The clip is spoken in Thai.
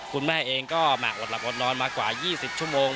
คุณแม่เองก็แหมอดหลับอดนอนมากว่า๒๐ชั่วโมง